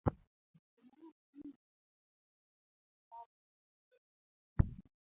Ji nowacho ni midhiero maduong' en kar dak koro.